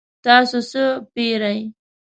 تاسو څه پیرئ؟